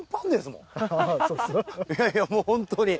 いやいやもうホントに。